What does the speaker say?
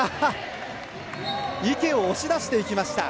池を押し出していきました。